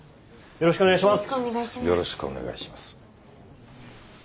よろしくお願いします。